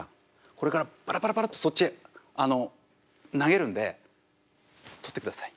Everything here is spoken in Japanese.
これからパラパラパラッとそっちへあの投げるんで捕ってください。